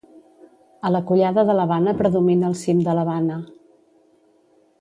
A la collada de la Bana predomina el cim de la Bana.